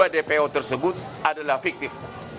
dua dpo tersebut adalah fiktif